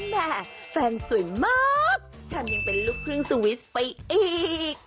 แม่แฟนสวยมากทำยังเป็นลูกครึ่งสวิสไปอีก